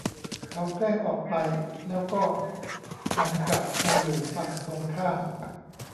เขาแกล้งออกไปแล้วก็หันกลับมาอยู่ฝั่งตรงข้าม